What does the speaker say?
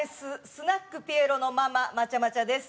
スナックピエロのママまちゃまちゃです。